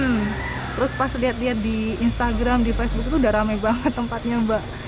hmm terus pas lihat lihat di instagram di facebook itu udah rame banget tempatnya mbak